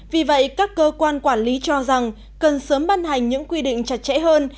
vì vậy các cơ quan quản lý cho rằng cần sớm ban hành những quy định chặt chẽ hơn